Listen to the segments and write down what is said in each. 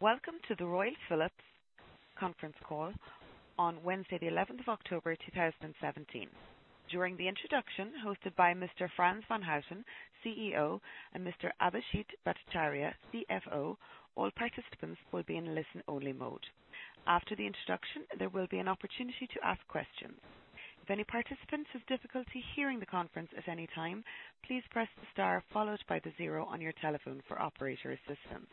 Welcome to the Royal Philips conference call on Wednesday, the 11th of October, 2017. During the introduction, hosted by Mr. Frans van Houten, CEO, and Mr. Abhijit Bhattacharya, CFO, all participants will be in listen-only mode. After the introduction, there will be an opportunity to ask questions. If any participants have difficulty hearing the conference at any time, please press the star followed by the zero on your telephone for operator assistance.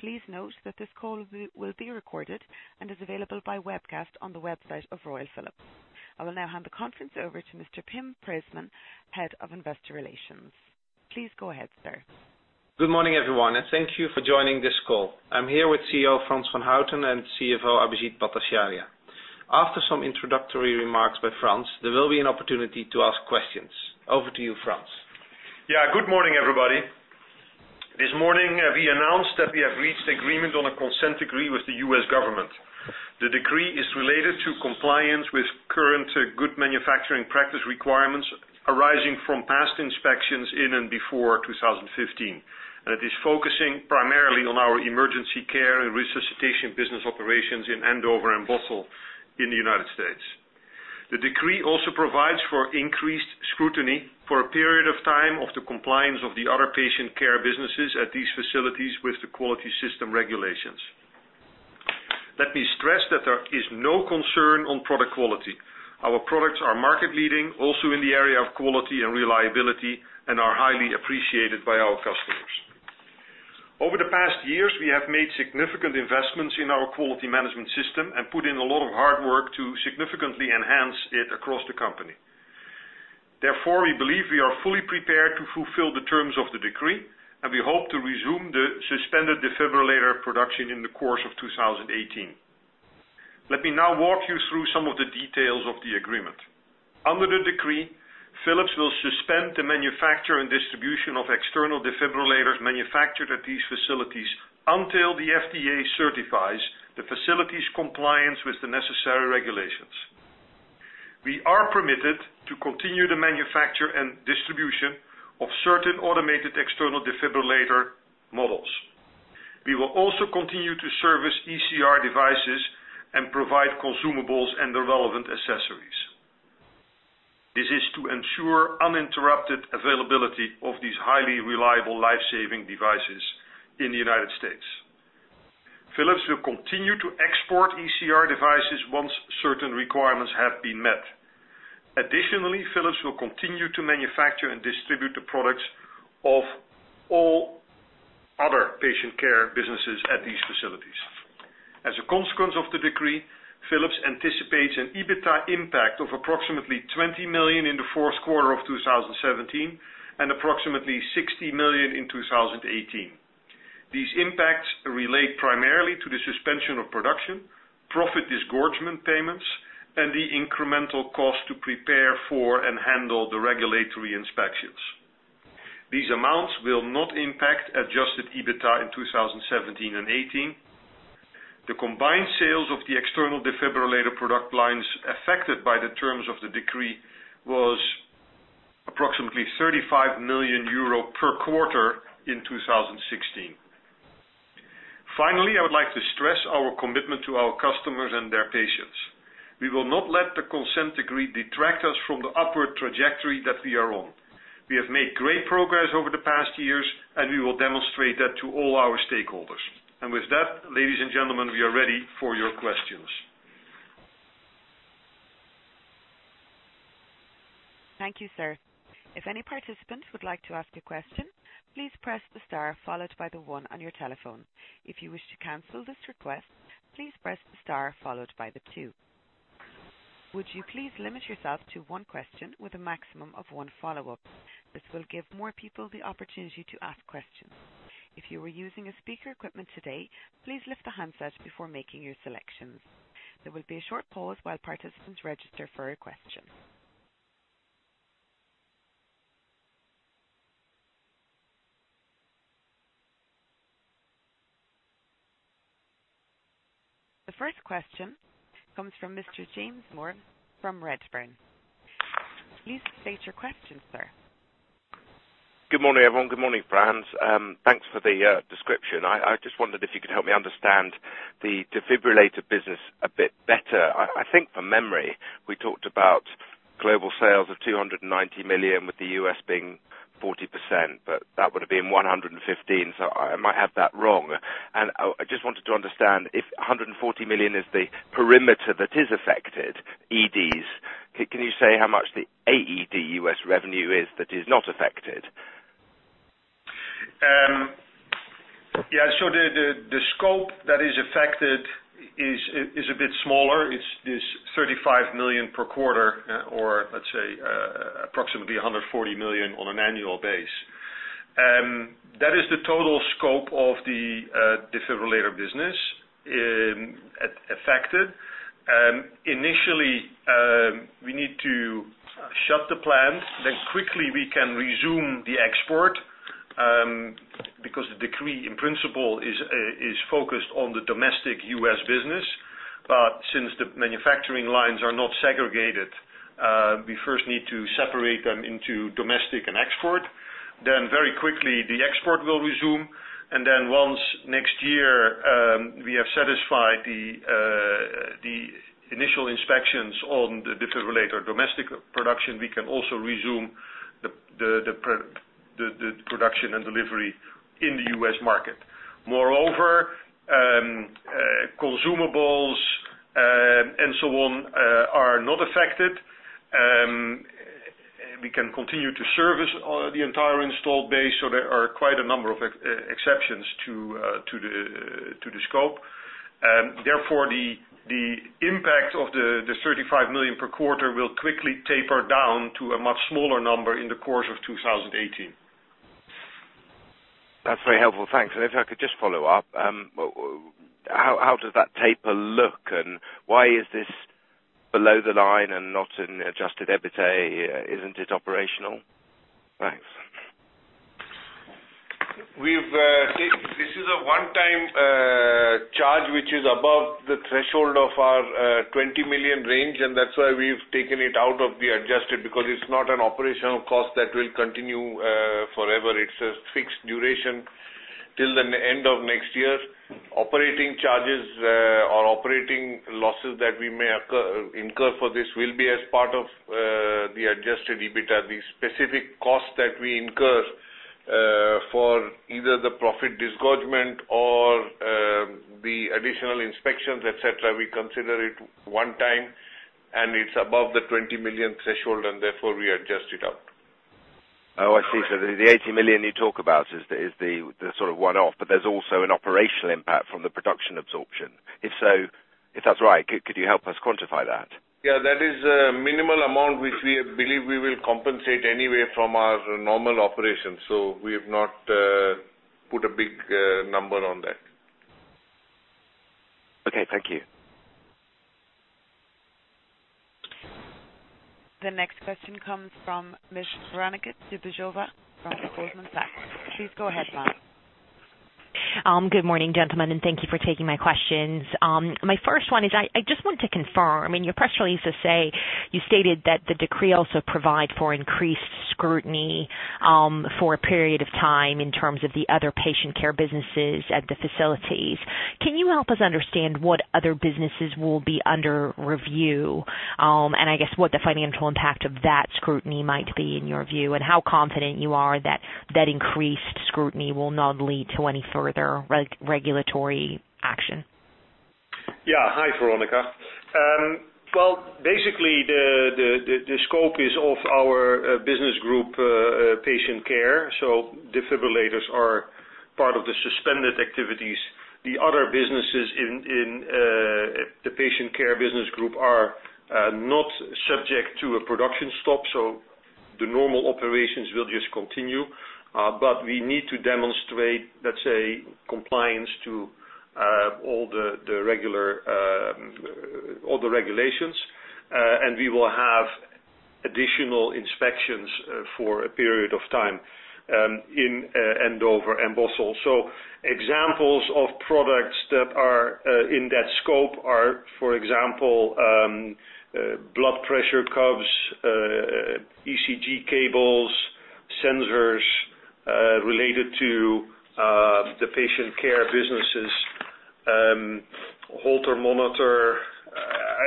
Please note that this call will be recorded and is available by webcast on the website of Royal Philips. I will now hand the conference over to Mr. Pim Preesman, Head of Investor Relations. Please go ahead, sir. Good morning, everyone, and thank you for joining this call. I'm here with CEO, Frans van Houten and CFO, Abhijit Bhattacharya. After some introductory remarks by Frans, there will be an opportunity to ask questions. Over to you, Frans. Yeah. Good morning, everybody. This morning, we announced that we have reached agreement on a consent decree with the U.S. government. The decree is related to compliance with Current Good Manufacturing Practice requirements arising from past inspections in and before 2015. It is focusing primarily on our emergency care and resuscitation business operations in Andover and Bothell in the United States. The decree also provides for increased scrutiny for a period of time of the compliance of the other patient care businesses at these facilities with the Quality System Regulation. Let me stress that there is no concern on product quality. Our products are market leading, also in the area of quality and reliability, and are highly appreciated by our customers. Over the past years, we have made significant investments in our quality management system and put in a lot of hard work to significantly enhance it across the company. We believe we are fully prepared to fulfill the terms of the decree, and we hope to resume the suspended defibrillator production in the course of 2018. Let me now walk you through some of the details of the agreement. Under the decree, Philips will suspend the manufacture and distribution of external defibrillators manufactured at these facilities until the FDA certifies the facilities' compliance with the necessary regulations. We are permitted to continue the manufacture and distribution of certain automated external defibrillator models. We will also continue to service ECR devices and provide consumables and the relevant accessories. This is to ensure uninterrupted availability of these highly reliable life-saving devices in the United States. Philips will continue to export ECR devices once certain requirements have been met. Additionally, Philips will continue to manufacture and distribute the products of all other patient care businesses at these facilities. As a consequence of the consent decree, Philips anticipates an EBITDA impact of approximately $20 million in the fourth quarter of 2017 and approximately $60 million in 2018. These impacts relate primarily to the suspension of production, profit disgorgement payments, and the incremental cost to prepare for and handle the regulatory inspections. These amounts will not impact adjusted EBITDA in 2017 and 2018. The combined sales of the external defibrillator product lines affected by the terms of the consent decree was approximately 35 million euro per quarter in 2016. Finally, I would like to stress our commitment to our customers and their patients. We will not let the consent decree detract us from the upward trajectory that we are on. We have made great progress over the past years, and we will demonstrate that to all our stakeholders. With that, ladies and gentlemen, we are ready for your questions. Thank you, sir. If any participant would like to ask a question, please press the star followed by the one on your telephone. If you wish to cancel this request, please press the star followed by the two. Would you please limit yourself to one question with a maximum of one follow-up? This will give more people the opportunity to ask questions. If you are using speaker equipment today, please lift the handset before making your selections. There will be a short pause while participants register for a question. The first question comes from Mr. James Moore from Redburn. Please state your question, sir. Good morning, everyone. Good morning, Frans. Thanks for the description. I just wondered if you could help me understand the defibrillator business a bit better. I think from memory, we talked about global sales of 290 million, with the U.S. being 40%, but that would have been 115, so I might have that wrong. I just wanted to understand, if 140 million is the perimeter that is affected, AEDs, can you say how much the AED U.S. revenue is that is not affected? Yeah. The scope that is affected is a bit smaller. It's this 35 million per quarter, or let's say, approximately 140 million on an annual base. That is the total scope of the defibrillator business affected. Initially, we need to shut the plant, then quickly we can resume the export, because the decree in principle is focused on the domestic U.S. business. Since the manufacturing lines are not segregated, we first need to separate them into domestic and export. Very quickly, the export will resume, and then once next year, we have satisfied the initial inspections on the defibrillator domestic production, we can also resume the production and delivery in the U.S. market. Moreover, consumables and so on are not affected. We can continue to service the entire installed base. There are quite a number of exceptions to the scope. Therefore, the impact of this 35 million per quarter will quickly taper down to a much smaller number in the course of 2018. That's very helpful, thanks. If I could just follow up. How does that taper look, and why is this below the line and not in adjusted EBITA? Isn't it operational? Thanks. This is a one-time charge, which is above the threshold of our 20 million range, and that's why we've taken it out of the adjusted, because it's not an operational cost that will continue forever. It's a fixed duration till the end of next year. Operating charges or operating losses that we may incur for this will be as part of the adjusted EBITA. The specific costs that we incur for either the profit disgorgement or the additional inspections, et cetera, we consider it one time, and it's above the 20 million threshold, and therefore, we adjust it out. Oh, I see. The $80 million you talk about is the sort of one-off, but there's also an operational impact from the production absorption. If that's right, could you help us quantify that? Yeah, that is a minimal amount, which we believe we will compensate anyway from our normal operations. We have not put a big number on that. Okay, thank you. The next question comes from Ms. Veronika Dubajova from Goldman Sachs. Please go ahead, ma'am. Good morning, gentlemen, and thank you for taking my questions. My first one is, I just want to confirm, in your press release, you stated that the decree also provide for increased scrutiny for a period of time in terms of the other patient care businesses at the facilities. Can you help us understand what other businesses will be under review? I guess what the financial impact of that scrutiny might be in your view, and how confident you are that increased scrutiny will not lead to any further regulatory action. Hi, Veronika. Basically, the scope is of our business group, patient care. Defibrillators are part of the suspended activities. The other businesses in the patient care business group are not subject to a production stop. The normal operations will just continue. We need to demonstrate, let's say, compliance to all the regulations, and we will have additional inspections for a period of time in Andover and Bothell. Examples of products that are in that scope are, for example, blood pressure cuffs, ECG cables, sensors, related to the patient care businesses, Holter monitor.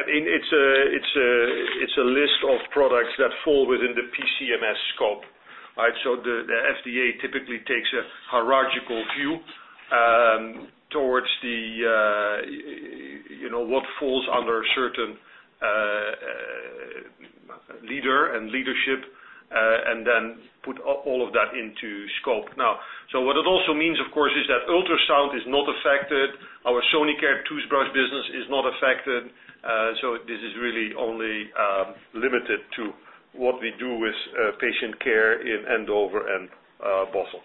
It's a list of products that fall within the PCMS scope. The FDA typically takes a hierarchical view towards what falls under a certain leader and leadership, and then put all of that into scope. What it also means, of course, is that ultrasound is not affected. Our Sonicare toothbrush business is not affected. This is really only limited to what we do with patient care in Andover and Bothell.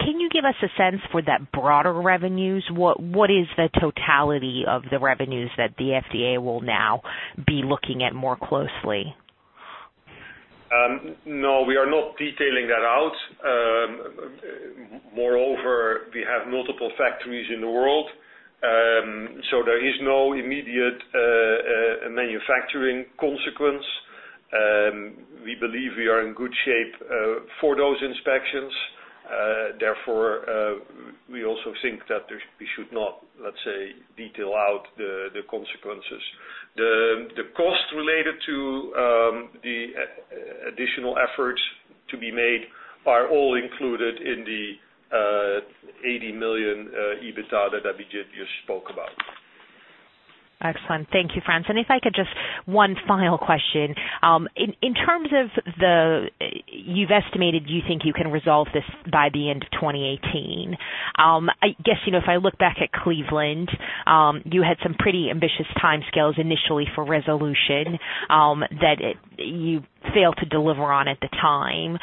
Can you give us a sense for that broader revenues? What is the totality of the revenues that the FDA will now be looking at more closely? No, we are not detailing that out. Moreover, we have multiple factories in the world. There is no immediate manufacturing consequence. We believe we are in good shape for those inspections. We also think that we should not, let's say, detail out the consequences. The cost related to the additional efforts to be made are all included in the $80 million EBITDA that Abhijit just spoke about. Excellent. Thank you, Frans. If I could just, one final question. In terms of, you've estimated you think you can resolve this by the end of 2018. I guess, if I look back at Cleveland, you had some pretty ambitious timescales initially for resolution that you failed to deliver on at the time.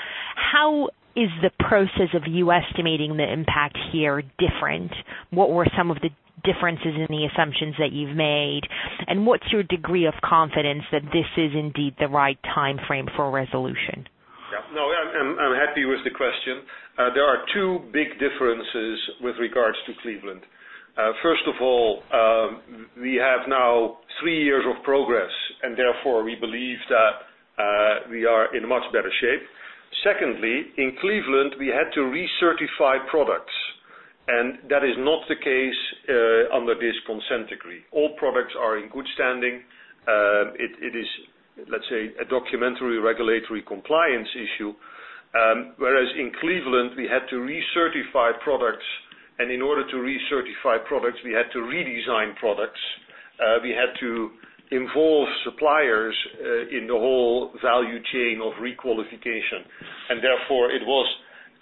How is the process of you estimating the impact here different? What were some of the differences in the assumptions that you've made? What's your degree of confidence that this is indeed the right time frame for resolution? No, I'm happy with the question. There are two big differences with regards to Cleveland. First of all, we have now three years of progress. We believe that we are in much better shape. Secondly, in Cleveland, we had to recertify products. That is not the case under this consent decree. All products are in good standing. It is, let's say, a documentary regulatory compliance issue. Whereas in Cleveland, we had to recertify products. In order to recertify products, we had to redesign products. We had to involve suppliers in the whole value chain of re-qualification. It was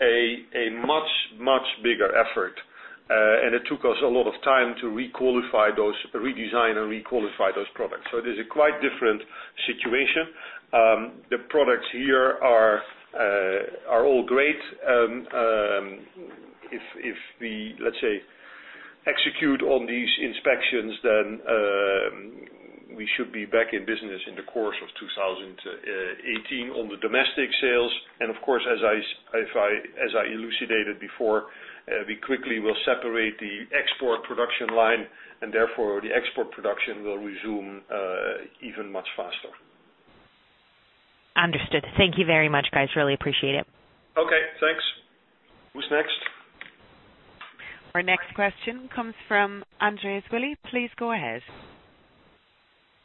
a much, much bigger effort. It took us a lot of time to redesign and requalify those products. It is a quite different situation. The products here are all great. If we, let's say, execute on these inspections, we should be back in business in the course of 2018 on the domestic sales. Of course, as I elucidated before, we quickly will separate the export production line. Therefore, the export production will resume even much faster. Understood. Thank you very much, guys. Really appreciate it. Okay, thanks. Who's next? Our next question comes from Andreas Spillaert. Please go ahead.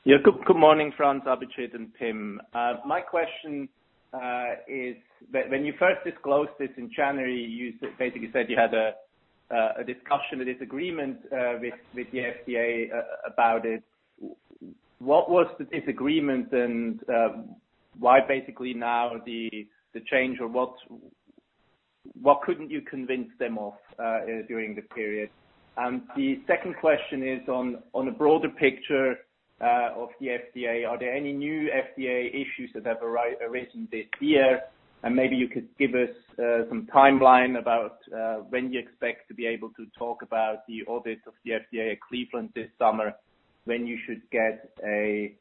Good morning, Frans, Abhijit, and Pim. My question is, when you first disclosed this in January, you basically said you had a discussion, a disagreement, with the FDA about it. What was the disagreement, and why basically now the change, or what couldn't you convince them of during the period? And the second question is on the broader picture of the FDA. Are there any new FDA issues that have arisen this year? And maybe you could give us some timeline about when you expect to be able to talk about the audit of the FDA at Cleveland this summer, when you should get a,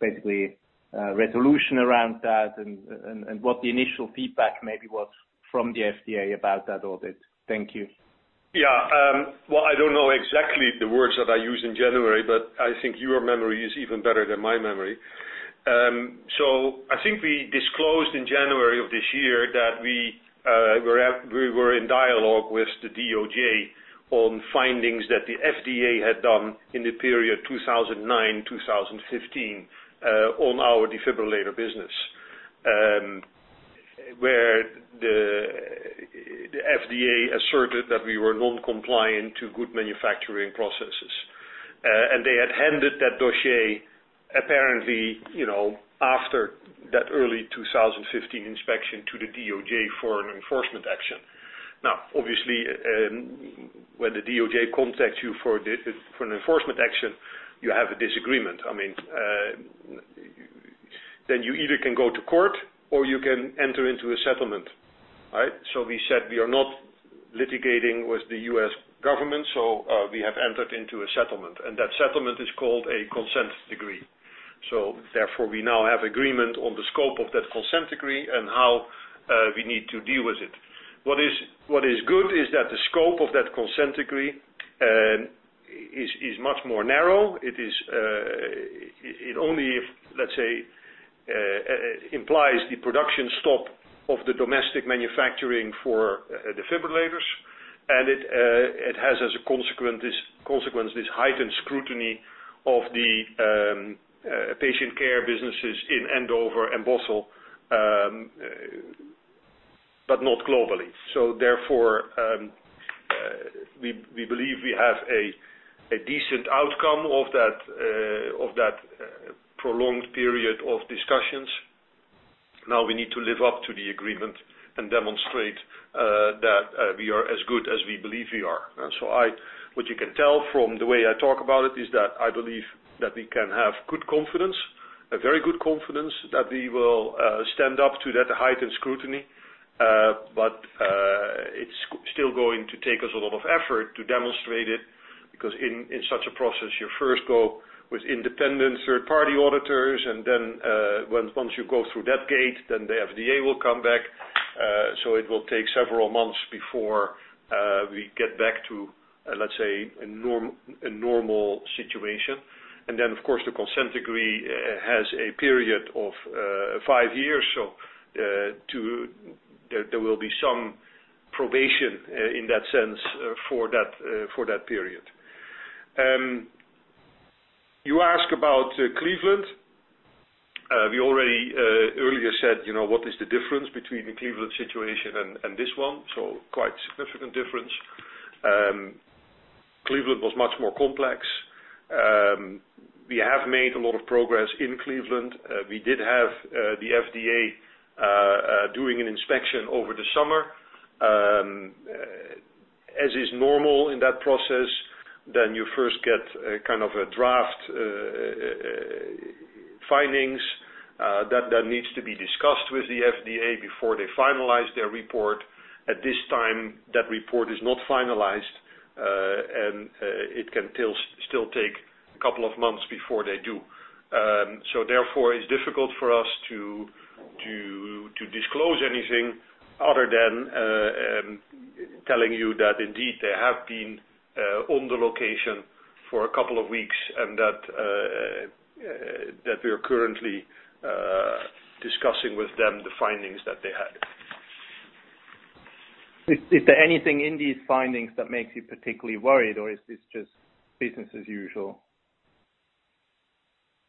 basically, resolution around that, and what the initial feedback maybe was from the FDA about that audit. Thank you. Well, I don't know exactly the words that I used in January, but I think your memory is even better than my memory. I think we disclosed in January of this year that we were in dialogue with the DOJ on findings that the FDA had done in the period 2009, 2015, on our defibrillator business, where the FDA asserted that we were non-compliant to good manufacturing processes. They had handed that dossier apparently, after that early 2015 inspection to the DOJ for an enforcement action. Obviously, when the DOJ contacts you for an enforcement action, you have a disagreement. You either can go to court or you can enter into a settlement. We said we are not litigating with the U.S. government, we have entered into a settlement, and that settlement is called a consent decree. Therefore, we now have agreement on the scope of that consent decree and how we need to deal with it. What is good is that the scope of that consent decree is much more narrow. It only, let's say, implies the production stop of the domestic manufacturing for defibrillators, and it has as a consequence, this heightened scrutiny of the patient care businesses in Andover and Bothell, but not globally. Therefore, we believe we have a decent outcome of that prolonged period of discussions. We need to live up to the agreement and demonstrate that we are as good as we believe we are. What you can tell from the way I talk about it is that I believe that we can have good confidence, a very good confidence, that we will stand up to that heightened scrutiny. It's still going to take us a lot of effort to demonstrate it, because in such a process, you first go with independent third-party auditors, then once you go through that gate, the FDA will come back. It will take several months before we get back to, let's say, a normal situation. Then, of course, the consent decree has a period of five years, there will be some probation in that sense for that period. You ask about Cleveland. We already earlier said what is the difference between the Cleveland situation and this one. Quite a significant difference. Cleveland was much more complex. We have made a lot of progress in Cleveland. We did have the FDA doing an inspection over the summer. As is normal in that process, you first get a draft findings that needs to be discussed with the FDA before they finalize their report. At this time, that report is not finalized. It can still take a couple of months before they do. Therefore, it's difficult for us to disclose anything other than telling you that indeed they have been on the location for a couple of weeks and that we are currently discussing with them the findings that they had. Is there anything in these findings that makes you particularly worried, or is this just business as usual?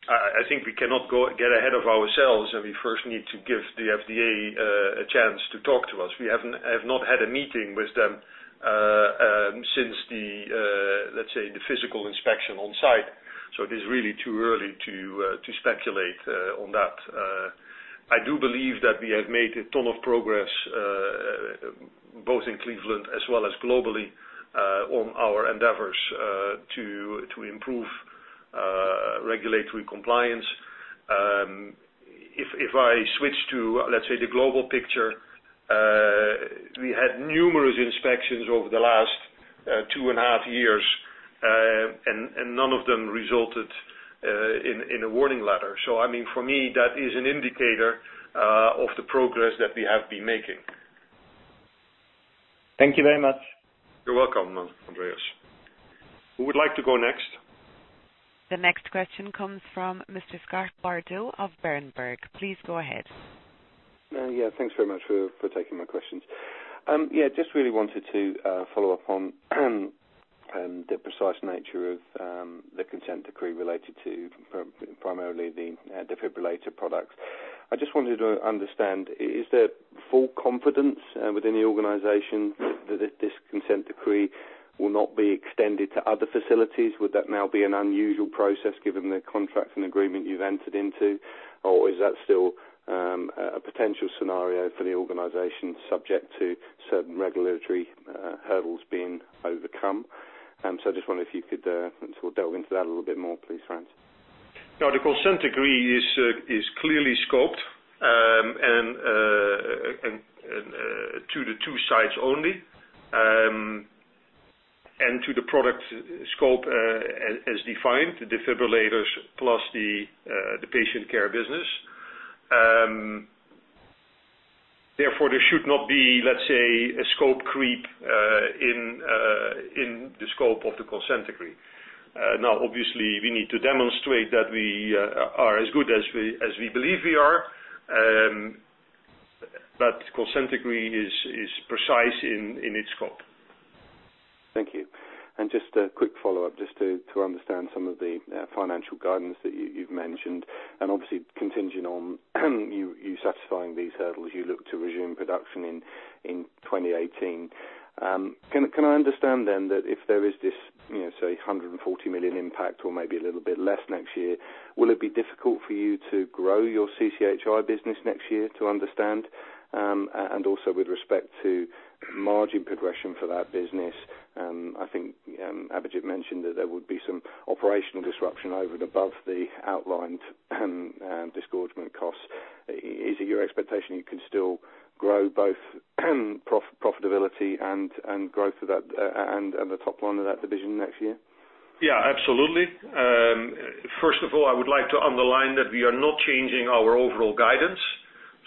I think we cannot get ahead of ourselves, and we first need to give the FDA a chance to talk to us. We have not had a meeting with them since the, let's say, the physical inspection on site. It is really too early to speculate on that. I do believe that we have made a ton of progress, both in Cleveland as well as globally, on our endeavors to improve regulatory compliance. If I switch to, let's say, the global picture, we had numerous inspections over the last two and a half years, and none of them resulted in a warning letter. I mean, for me, that is an indicator of the progress that we have been making. Thank you very much. You're welcome, Andreas. Who would like to go next? The next question comes from Mr. Scott Bardo of Berenberg. Please go ahead. Yeah. Thanks very much for taking my questions. Just really wanted to follow up on the precise nature of the consent decree related to primarily the defibrillator products. I just wanted to understand, is there full confidence within the organization that this consent decree will not be extended to other facilities? Would that now be an unusual process given the contract and agreement you've entered into? Or is that still a potential scenario for the organization, subject to certain regulatory hurdles being overcome? I just wonder if you could sort of delve into that a little bit more, please, Frans. No, the consent decree is clearly scoped to the two sides only, and to the product scope as defined, the defibrillators plus the patient care business. Therefore, there should not be, let's say, a scope creep in the scope of the consent decree. Now, obviously, we need to demonstrate that we are as good as we believe we are, consent decree is precise in its scope. Thank you. Just a quick follow-up, just to understand some of the financial guidance that you've mentioned, and obviously contingent on you satisfying these hurdles, you look to resume production in 2018. Can I understand then that if there is this, say, 140 million impact or maybe a little bit less next year, will it be difficult for you to grow your CCHI business next year to understand? Also with respect to margin progression for that business, I think Abhijit mentioned that there would be some operational disruption over and above the outlined disgorgement costs. Is it your expectation you can still grow both profitability and the top line of that division next year? Absolutely. First of all, I would like to underline that we are not changing our overall guidance.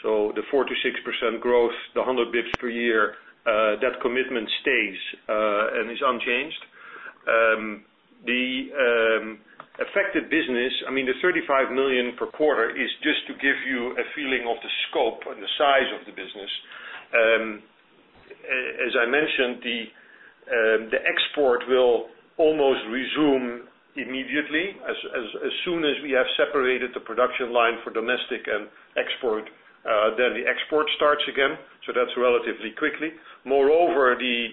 The 46% growth, the 100 basis points per year, that commitment stays and is unchanged. The affected business, I mean, the 35 million per quarter is just to give you a feeling of the scope and the size of the business. As I mentioned, the export will almost resume immediately. As soon as we have separated the production line for domestic and export, the export starts again, so that's relatively quickly. Moreover, the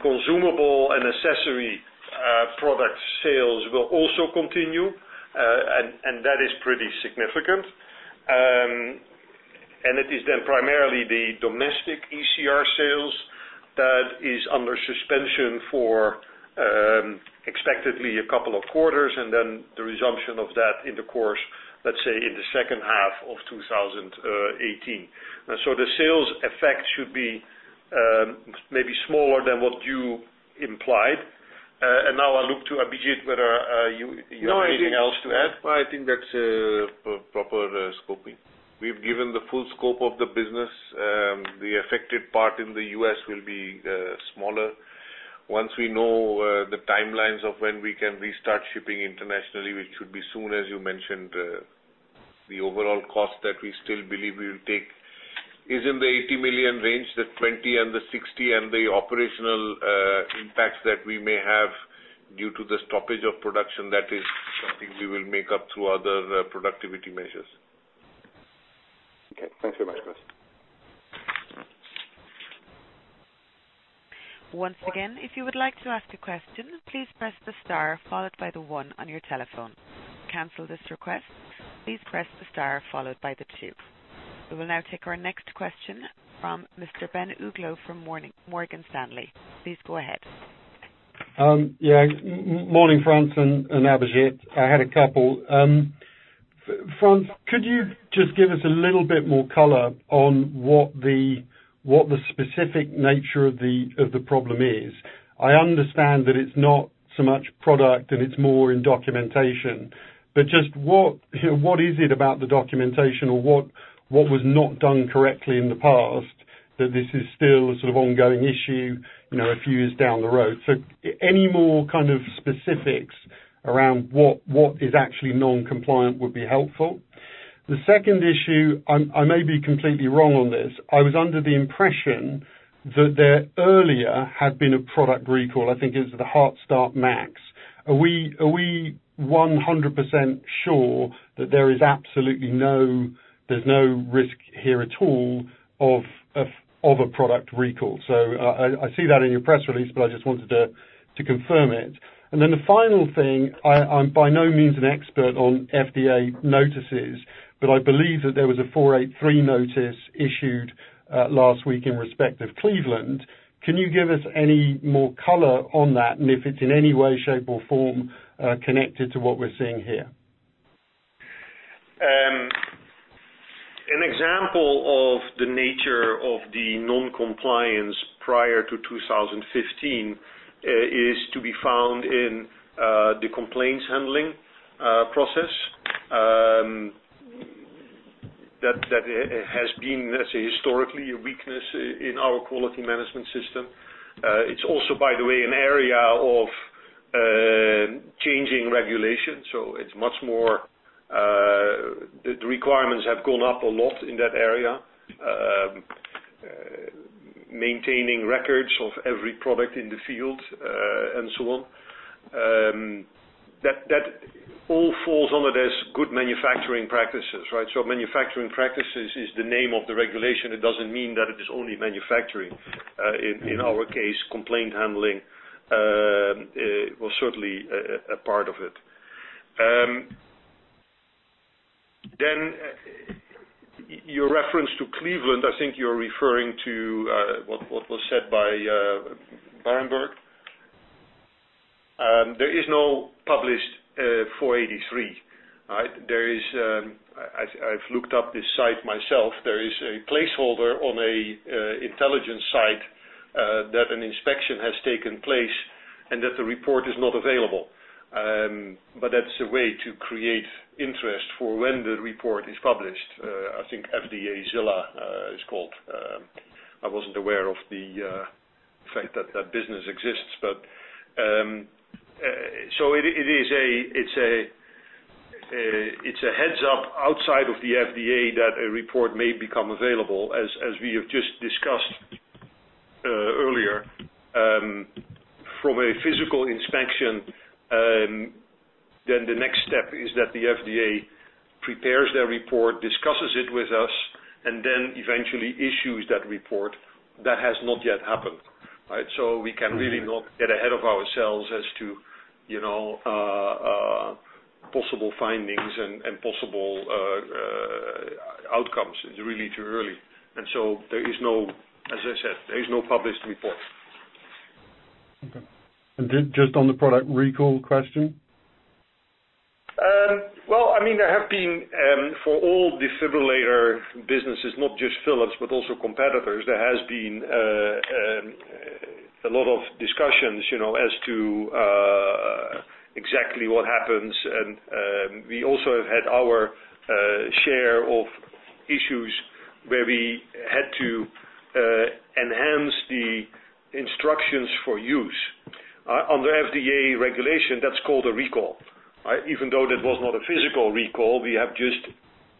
consumable and accessory product sales will also continue, and that is pretty significant. It is then primarily the domestic ECR sales that is under suspension for expectedly a couple of quarters, and the resumption of that in the course, let's say, in the second half of 2018. The sales effect should be maybe smaller than what you implied. Now I look to Abhijit, whether you have anything else to add. No, I think that's a proper scoping. We've given the full scope of the business. The affected part in the U.S. will be smaller. Once we know the timelines of when we can restart shipping internationally, which should be soon, as you mentioned, the overall cost that we still believe we will take is in the $80 million range, the $20 and the $60, and the operational impacts that we may have due to the stoppage of production, that is something we will make up through other productivity measures. Okay, thanks very much, guys. Once again, if you would like to ask a question, please press the star followed by the one on your telephone. To cancel this request, please press the star followed by the two. We will now take our next question from Mr. Ben Uglow from Morgan Stanley. Please go ahead. Yeah. Morning, Frans and Abhijit. I had a couple. Frans, could you just give us a little bit more color on what the specific nature of the problem is? I understand that it's not so much product and it's more in documentation. Just what is it about the documentation, or what was not done correctly in the past that this is still a sort of ongoing issue, a few years down the road? Any more kind of specifics around what is actually non-compliant would be helpful. The second issue, I may be completely wrong on this. I was under the impression that there earlier had been a product recall, I think it was the HeartStart MRx. Are we 100% sure that there's no risk here at all of a product recall? I see that in your press release, but I just wanted to confirm it. Then the final thing, I'm by no means an expert on FDA notices, I believe that there was a 483 notice issued last week in respect of Cleveland. Can you give us any more color on that, and if it's in any way, shape, or form, connected to what we're seeing here? An example of the nature of the non-compliance prior to 2015, is to be found in the complaints handling process. That has been, let's say, historically, a weakness in our quality management system. It's also, by the way, an area of changing regulation, the requirements have gone up a lot in that area. Maintaining records of every product in the field, and so on. That all falls under this Good Manufacturing Practices, right? Manufacturing Practices is the name of the regulation. It doesn't mean that it is only manufacturing. In our case, complaint handling was certainly a part of it. Your reference to Cleveland, I think you're referring to what was said by Berenberg. There is no published 483. I've looked up this site myself. There is a placeholder on a intelligence site that an inspection has taken place and that the report is not available. That's a way to create interest for when the report is published, I think FDAzilla, it's called. I wasn't aware of the fact that that business exists. It's a heads-up outside of the FDA that a report may become available, as we have just discussed earlier. From a physical inspection, the next step is that the FDA prepares their report, discusses it with us, and eventually issues that report. That has not yet happened. Right? We can really not get ahead of ourselves as to possible findings and possible outcomes. It's really too early. As I said, there is no published report. Okay. Just on the product recall question? Well, there have been, for all defibrillator businesses, not just Philips but also competitors, there has been a lot of discussions as to exactly what happens. We also have had our share of issues where we had to enhance the instructions for use. Under FDA regulation, that's called a recall. Even though that was not a physical recall, we have just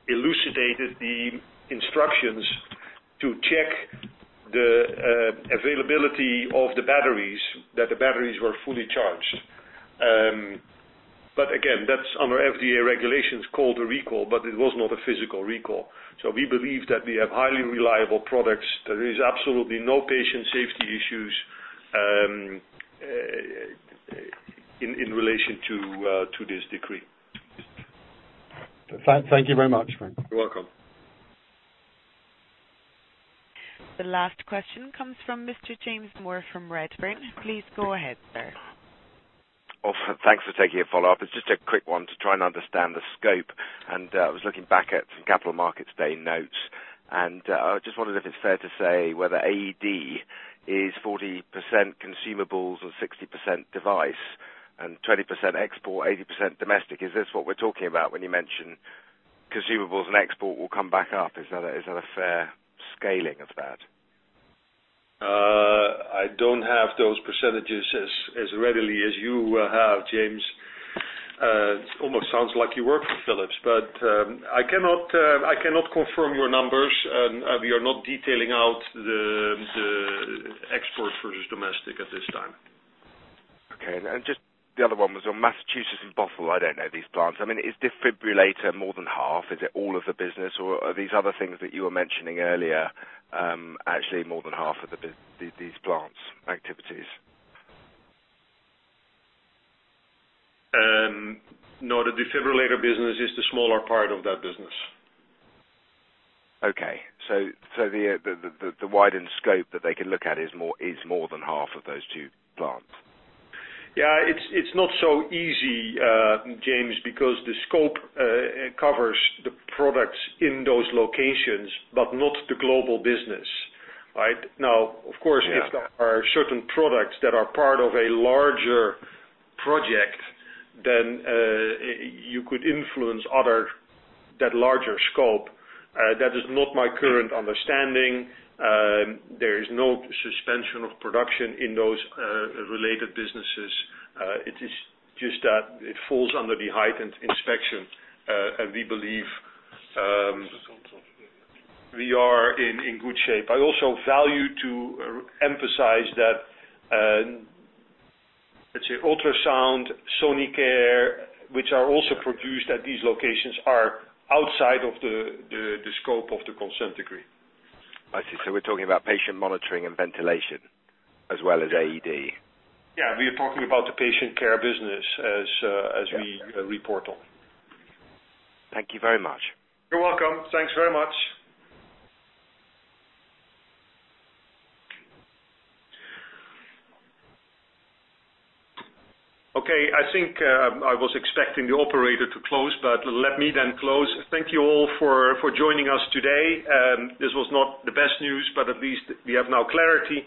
elucidated the instructions to check the availability of the batteries, that the batteries were fully charged. Again, that's under FDA regulations, called a recall, but it was not a physical recall. We believe that we have highly reliable products. There is absolutely no patient safety issues in relation to this decree. Thank you very much, Frans. You're welcome. The last question comes from Mr. James Moore from Redburn. Please go ahead, sir. Thanks for taking a follow-up. It's just a quick one to try and understand the scope. I was looking back at some Capital Markets Day notes, and I just wondered if it's fair to say whether AED is 40% consumables or 60% device and 20% export, 80% domestic. Is this what we're talking about when you mention consumables and export will come back up? Is that a fair scaling of that? I don't have those percentages as readily as you have, James. It almost sounds like you work for Philips. I cannot confirm your numbers. We are not detailing out the export versus domestic at this time. Okay. Just the other one was on Massachusetts and Bothell. I don't know these plants. Is defibrillator more than half? Is it all of the business, or are these other things that you were mentioning earlier actually more than half of these plants' activities? No, the defibrillator business is the smaller part of that business. Okay. The widened scope that they can look at is more than half of those two plants. Yeah. It's not so easy, James, because the scope covers the products in those locations, but not the global business. Right? Yeah If there are certain products that are part of a larger project, then you could influence that larger scope. That is not my current understanding. There is no suspension of production in those related businesses. It is just that it falls under the heightened inspection, and we believe we are in good shape. I also value to emphasize that, let's say, ultrasound, Sonicare, which are also produced at these locations, are outside of the scope of the consent decree. I see. We're talking about patient monitoring and ventilation as well as AED. Yeah, we are talking about the patient care business as we report on. Thank you very much. You're welcome. Thanks very much. Okay, I think I was expecting the operator to close, but let me then close. Thank you all for joining us today. This was not the best news, but at least we have now clarity.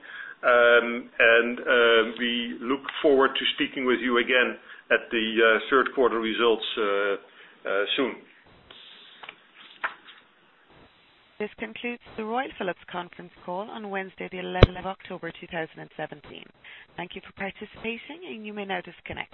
We look forward to speaking with you again at the third quarter results soon. This concludes the Royal Philips conference call on Wednesday, the 11th of October, 2017. Thank you for participating. You may now disconnect.